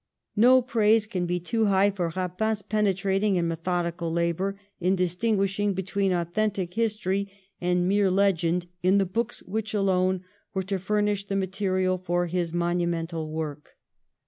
No praise can be too high for Eapin's penetrating and methodical labour in distinguishing between authentic history and mere legend in the books which alone were to furnish the material for his monumental work.